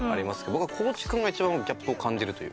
僕は地君が一番ギャップを感じるというか。